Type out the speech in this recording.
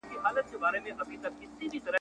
لکه د تللیو زړو یارانو `